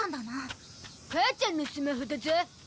母ちゃんのスマホだゾ。